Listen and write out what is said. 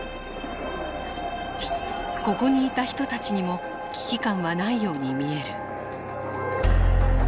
ここにいた人たちにも危機感はないように見える。